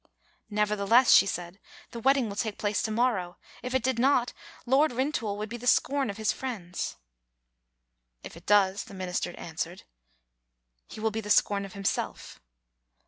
^"Nevertheless," she said, "the wedding will take place to morrow; if it did not. Lord Rintoul would be the scorn of his friends." "If it does," the minister answered, "he will be the scorn of himself.